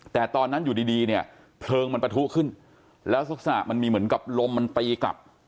แต่ตอนนั้นอยู่ดีดีเนี่ยเพลิงมันปะทุขึ้นแล้วลักษณะมันมีเหมือนกับลมมันตีกลับ